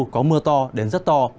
có mưa to đến rất to